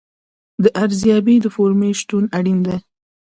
د ارزیابۍ د فورمې شتون اړین دی.